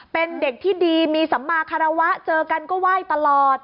เป็นเด็กที่ดีมีสัมมาคารวะเจอกันก็ไหว้ตลอด